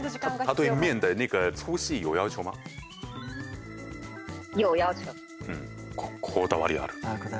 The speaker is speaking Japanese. あこだわりある。